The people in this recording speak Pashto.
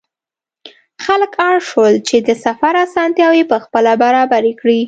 خلک اړ شول چې د سفر اسانتیاوې پخپله برابرې کړي.